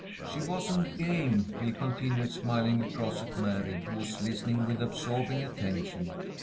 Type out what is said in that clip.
"She wasn't game," he continued, smiling across at Mary, who was listening with absorbing attention.